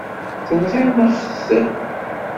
Tenɣiḍ-aɣ-t.